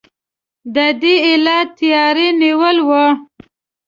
د دې علت تیاری نیول وو.